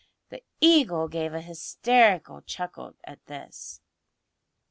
The Eagle gave a hysterical chuckle at this.